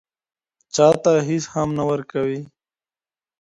چاته هيڅ هم نه ورکوي.